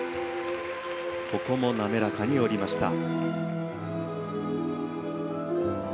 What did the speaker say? ここも滑らかに降りました。